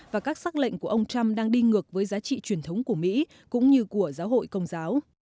và các xác lệnh của ông trump đang đi ngược với giá trị truyền thống của mỹ cũng như của giáo hội công giáo